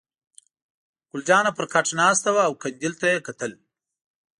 ګل جانه پر کټ ناسته وه او قندیل ته یې کتل.